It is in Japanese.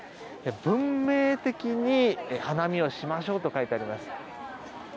文明的に花見をしましょうと書いてあります。